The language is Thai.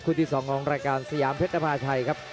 คุณที่สองของรายการสยามเพชรภาคไทยครับ